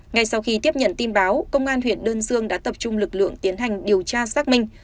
ngay sau khi tiếp nhận tin báo công an huyện đơn dương đã tập trung lực lượng tiến hành điều tra xác minh